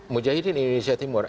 mujahidin indonesia timur